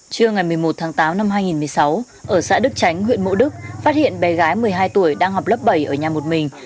trưa ngày một mươi một tháng tám năm hai nghìn một mươi sáu ở xã đức tránh huyện mộ đức phát hiện bé gái một mươi hai tuổi đang học lớp bảy ở nhà một mình